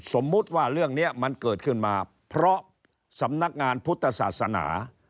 สมมุติว่าเรื่องนี้มันเกิดขึ้นมาเพราะสำนักงานพุทธศาสนา